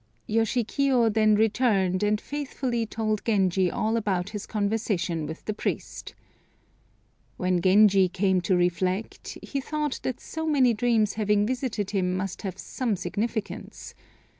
Yoshikiyo then returned and faithfully told Genji all about his conversation with the priest. When Genji came to reflect, he thought that so many dreams having visited him must have some significance.